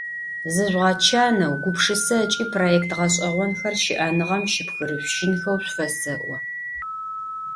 Зыжъугъэчанэу, гупшысэ ыкӏи проект гъэшӏэгъонхэр щыӏэныгъэм щыпхырышъущынхэу шъуфэсэӏо.